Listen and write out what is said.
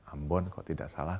ambon kalau tidak salah